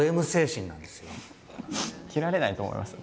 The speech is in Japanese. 切られないと思いますよ